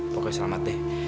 pokoknya selamat deh